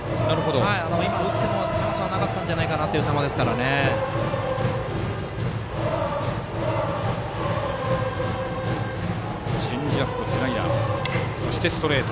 今、打ってもチャンスはなかったんじゃないかというチェンジアップスライダー、そしてストレート。